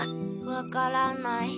分からない。